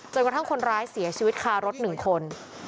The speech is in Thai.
กระทั่งคนร้ายเสียชีวิตคารถ๑คน